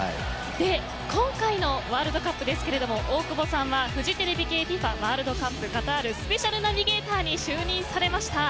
今回のワールドカップですが大久保さんは、フジテレビ系ＦＩＦＡワールドカップカタールスペシャルナビゲーターに就任されました。